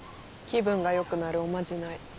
気分がよくなるおまじない。